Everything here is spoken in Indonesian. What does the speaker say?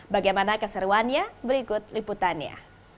bagaimana keseruannya berikut liputannya